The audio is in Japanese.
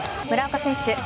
村岡選手